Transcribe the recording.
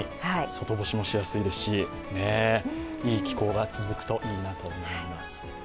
外干しもしやすいですしね、いい季候が続くといいなと思います。